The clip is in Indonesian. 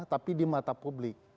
tapi di mata publik